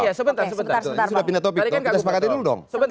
ini sudah pindah topik kita sepakatin dulu dong